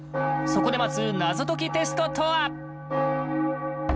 そこで待つ謎解きテストとは？